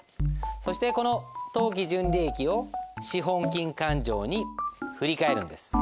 そしてこの当期純利益を資本金勘定に振り替えるんです。